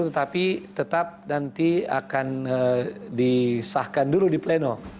tetapi tetap nanti akan disahkan dulu di pleno